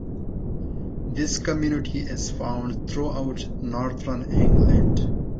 This community is found throughout northern England.